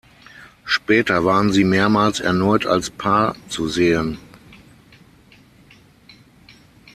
Später waren sie mehrmals erneut als Paar zu sehen.